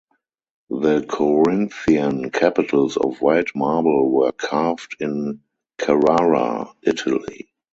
The Corinthian capitals of white marble were carved in Carrara, Italy.